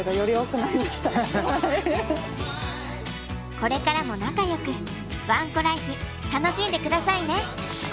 これからも仲よくわんこライフ楽しんでくださいね。